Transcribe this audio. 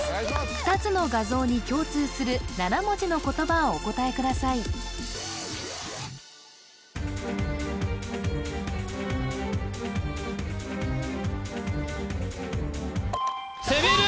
２つの画像に共通する７文字の言葉をお答えください攻める！